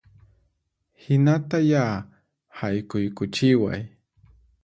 Hinata ya, haykuykuchiway